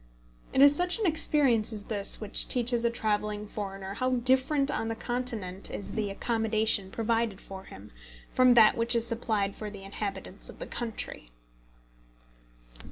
It is such an experience as this which teaches a travelling foreigner how different on the Continent is the accommodation provided for him, from that which is supplied for the inhabitants of the country.